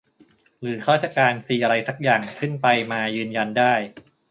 หรือข้าราชการซีอะไรซักอย่างขึ้นไปมายืนยันได้